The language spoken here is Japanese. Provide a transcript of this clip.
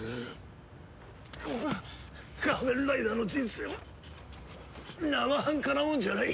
仮面ライダーの人生は生半可なもんじゃない。